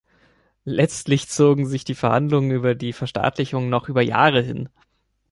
Letztlich zogen sich die Verhandlungen über die Verstaatlichung noch über Jahre hin.